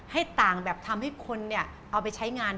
ให้ต่างแบบทำให้คนเนี่ย